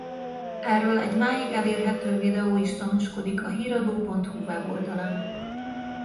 Erről egy máig elérhető videó is tanúskodik a Híradó.hu weboldalán.